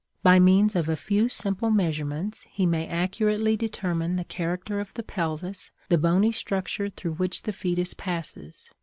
By means of a few simple measurements he may accurately determine the character of the pelvis, the bony structure through which the fetus passes.